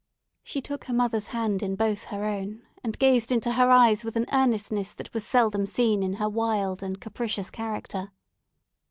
She took her mother's hand in both her own, and gazed into her eyes with an earnestness that was seldom seen in her wild and capricious character.